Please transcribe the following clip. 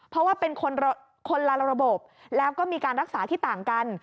เพราะว่าเป็นคนละระบบแล้วก็มีการรักษาที่ต่างกัน